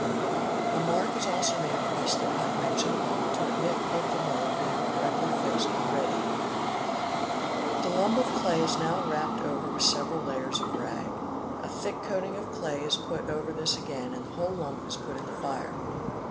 A mark is also made across the cut mentioned above to admit of the mould being correctly fixed when ready. The lump of clay is now ;_ wrapped over with several layers of rag. A thick coating of clay is put "over this again and the whole lump is put in the fire.